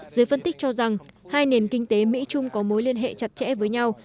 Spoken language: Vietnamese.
giới phân tích cho rằng hai nền kinh tế mỹ trung có mối liên hệ chặt chẽ với nhau